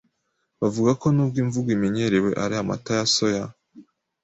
bavuga ko n’ubwo imvugo imenyerewe ari amata ya soya